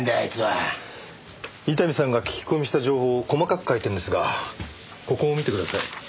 伊丹さんが聞き込みした情報を細かく書いてるんですがここを見てください。